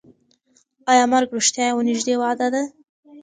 ایا مرګ رښتیا یوه نږدې وعده ده؟